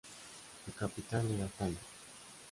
Su capital era Tánger.